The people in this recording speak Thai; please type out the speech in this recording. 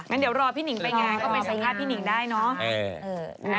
งั้นเดี๋ยวรอพี่หนิงไปงานก็ไปสัมภาษณ์พี่หนิงได้เนาะ